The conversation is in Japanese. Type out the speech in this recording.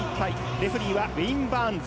レフリーはウェイン・バーンズ。